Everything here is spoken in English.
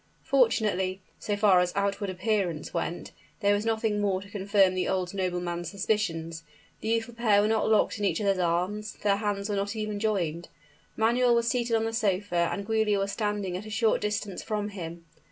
Fortunately so far as outward appearance went there was nothing more to confirm the old nobleman's suspicions; the youthful pair were not locked in each other's arms; their hands were not even joined. Manuel was seated on the sofa, and Giulia was standing at a short distance from him.